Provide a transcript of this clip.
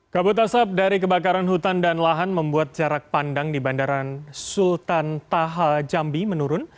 kabut asap dari kebakaran hutan dan lahan membuat jarak pandang di bandaran sultan taha jambi menurun